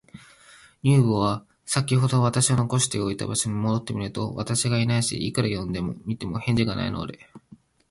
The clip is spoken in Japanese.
乳母は、さきほど私を残しておいた場所に戻ってみると、私がいないし、いくら呼んでみても、返事がないので、